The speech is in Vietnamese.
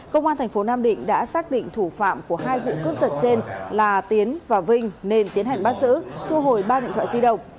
công an thành phố nam định đã xác định thủ phạm của hai vụ cướp giật trên là tiến và vinh nên tiến hành bắt giữ thu hồi ba điện thoại di động